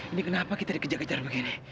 ini kenapa kita dikejar kejar begini